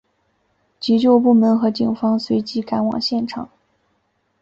急救部门和警方随即赶往现场。